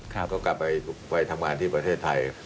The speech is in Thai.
ก็กลับไปทำงานที่ประเทศไทย